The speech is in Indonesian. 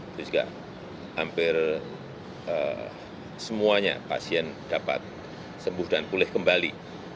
itu juga hampir semuanya pasien dapat sembuh dan pulih kembali